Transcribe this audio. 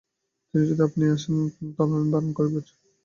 তিনি যদি আপনি আসেন তবে আমি বারণ করিব।